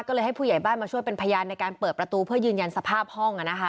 ก็เลยให้ผู้ใหญ่บ้านมาช่วยเป็นพยานในการเปิดประตูเพื่อยืนยันสภาพห้อง